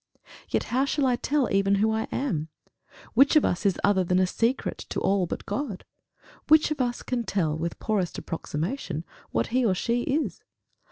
Yet how shall I tell even who I am? Which of us is other than a secret to all but God! Which of us can tell, with poorest approximation, what he or she is!